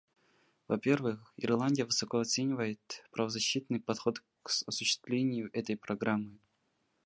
Во-первых, Ирландия высоко оценивает правозащитный подход к осуществлению этой Программы.